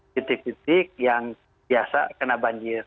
titik titik yang biasa kena banjir